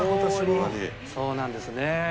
そうなんですね。